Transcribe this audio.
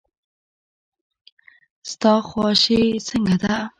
ستا خواشي څنګه ده.